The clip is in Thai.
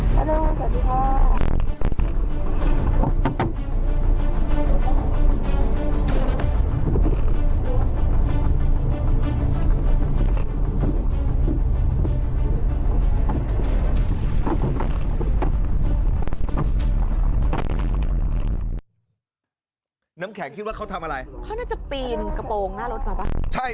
น้ำแข็งคิดว่าเขาทำอะไรเขาน่าจะปีนกระโปรงหน้ารถมาป่ะ